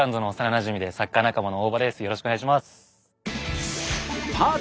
よろしくお願いします。